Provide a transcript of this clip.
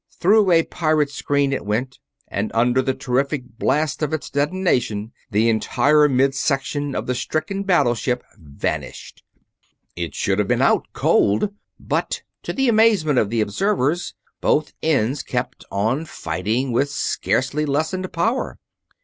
Through a pirate screen it went, and under the terrific blast of its detonation the entire midsection of the stricken battleship vanished. It should have been out, cold but to the amazement of the observers, both ends kept on fighting with scarcely lessened power!